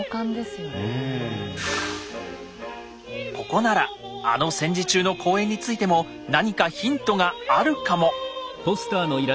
ここならあの戦時中の公演についても何かヒントがあるかも！